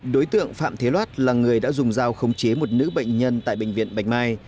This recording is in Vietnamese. đối tượng phạm thế loát là người đã dùng dao khống chế một nữ bệnh nhân tại bệnh viện bạch mai